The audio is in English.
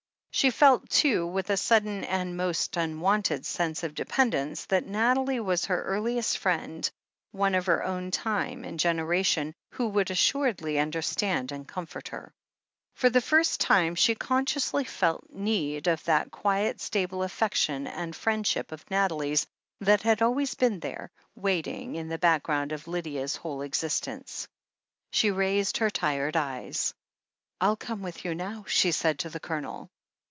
She felt, too, with a sudden and most unwonted sense of dependence, that Nathalie was her earliest friend, one of her own time and generation, who would assuredly understand and comfort her. For the first time she consciously felt need of that quiet, stable affection and friendship of Nathalie's that had always been there, waiting, in the background of Lydia's whole existence. She raised her tired eyes. "FU come with you now," she said to the Colonel.